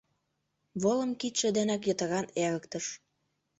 Волым кидше денак йытыран эрыктыш.